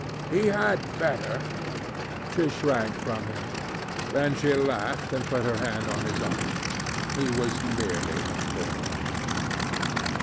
"He had better." She shrank from him. Then she laughed and put her hand on his arm. He was merely a boy.